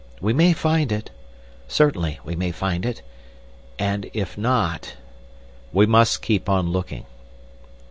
We may find it—certainly we may find it. And if not—" "We must keep on looking."